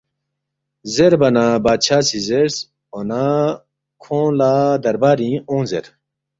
زیربا نہ بادشاہ سی زیرس، ”اون٘ا کھونگ لہ دربارِنگ اونگ زیر